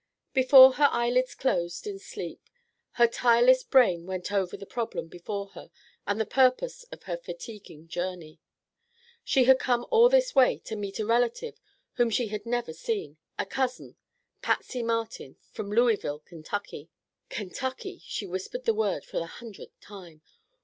Before her eyelids closed in sleep her tireless brain went over the problem before her and the purpose of her fatiguing journey. She had come all this way to meet a relative whom she had never seen—a cousin, Patsy Martin, from Louisville, Kentucky. "Kentucky," she whispered the word for the hundredth time.